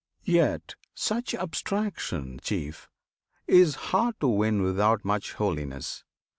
Yet such abstraction, Chief! Is hard to win without much holiness.